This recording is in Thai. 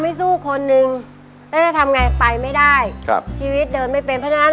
สู้คนนึงแล้วจะทำไงไปไม่ได้ครับชีวิตเดินไม่เป็นเพราะฉะนั้น